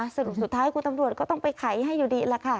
สรุปสุดท้ายคุณตำรวจก็ต้องไปไขให้อยู่ดีแหละค่ะ